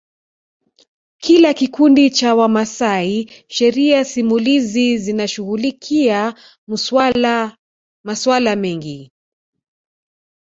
kila kikundi cha Wamasai Sheria simulizi zinashughulikia masuala mengi